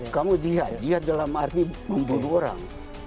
kamu lihat dia dalam arti memburu orang